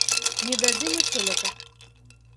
Не дадзім і сёлета.